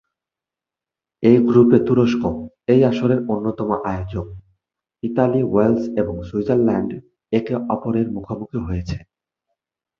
এই গ্রুপে তুরস্ক, এই আসরের অন্যতম আয়োজক ইতালি, ওয়েলস এবং সুইজারল্যান্ড একে অপরের মুখোমুখি হয়েছে।